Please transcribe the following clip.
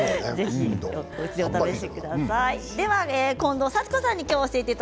お試しください。